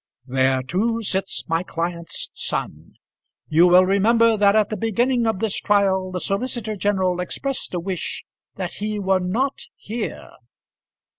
There too sits my client's son. You will remember that at the beginning of this trial the solicitor general expressed a wish that he were not here.